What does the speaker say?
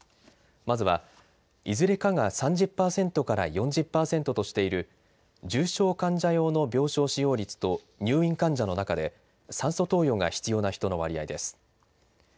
まずは、いずれかが３０％から４０％としている重症患者用の病床使用率と入院患者の中で酸素投与が必要な人の割合です。